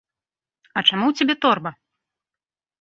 А чаму ў цябе торба?